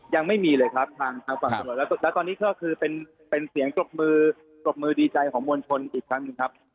ยังไม่มีเลยครับทางฝั่งตำรวจแล้วตอนนี้ก็คือเป็นเสียงปรบมือปรบมือดีใจของมวลชนอีกครั้งหนึ่งครับ